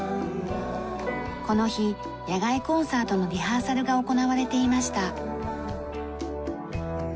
この日野外コンサートのリハーサルが行われていました。